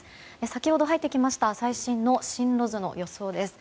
先ほど入ってきました最新の進路図の予想です。